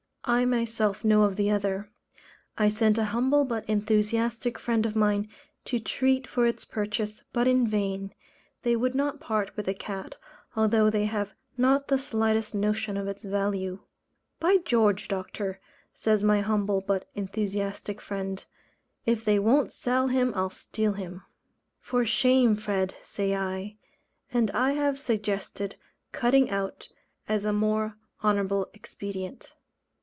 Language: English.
I myself know of one other; I sent a humble but enthusiastic friend of mine to treat for its purchase, but in vain they would not part with the cat, although they have not the slightest notion of its value. "By George, Doctor," says my humble but enthusiastic friend, "if they won't sell him I'll steal him." "For shame, Fred," say I. And I have suggested "cutting out" as a more honourable expedient.